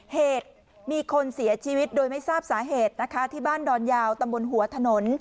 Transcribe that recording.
เหตุมีคนเสียชีวิตโดยไม่ทราบสาเหตุนะคะที่บ้านดอนยาวตำบลหัวถนน